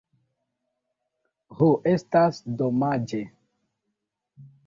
Ho! Estas domaĝe!